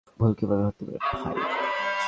ভুল কীভাবে হতে পারে ভাই?